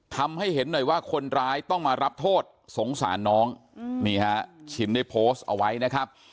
ทำให้เห็นหน่อยว่าคนร้ายต้องมารับโทษสงสารน้องนี่ฮะชินได้โพสต์เอาไว้นะครับ